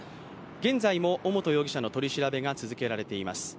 現在も尾本容疑者の取り調べが続けられています。